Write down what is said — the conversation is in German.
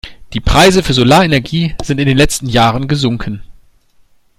Die Preise für Solarenergie sind in den letzten Jahren gesunken.